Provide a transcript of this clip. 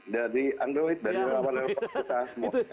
dari android dari relawan relawan kita semua